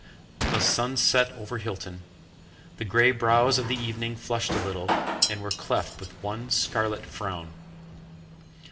The sun set over Hilton: the grey brows of the evening flushed a little, and were cleft with one scarlet frown.